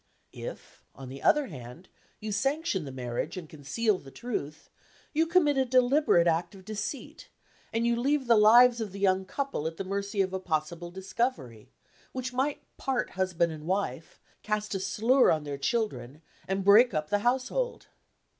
"If, on the other hand, you sanction the marriage, and conceal the truth, you commit a deliberate act of deceit; and you leave the lives of the young couple at the mercy of a possible discovery, which might part husband and wife cast a slur on their children and break up the household."